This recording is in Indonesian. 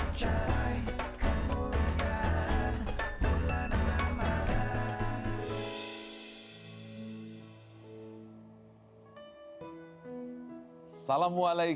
nari amcai kemuliaan bulan amaran